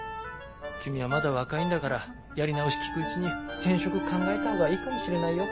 君はまだ若いんだからやり直し利くうちに転職考えたほうがいいかもしれないよ。